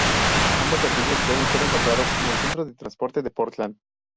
Ambos servicios pueden ser encontrados en el Centro de Transporte de Portland.